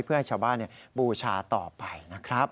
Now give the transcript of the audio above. เพื่อให้ชาวบ้านบูชาต่อไปนะครับ